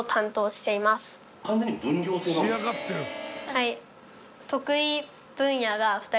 はい。